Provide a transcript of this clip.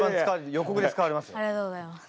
ありがとうございます。